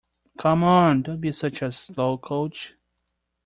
Come on! Don't be such a slowcoach!